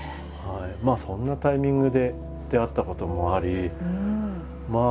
まあそんなタイミングで出会ったこともありまあ